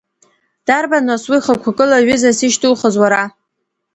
Дарбан нас уа хықәкыла, ҩызас ишьҭухыз уара?